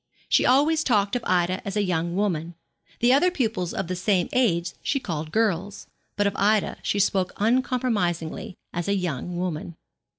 She always talked of Ida as a young woman. The other pupils of the same age she called girls; but of Ida she spoke uncompromisingly as a 'young woman.'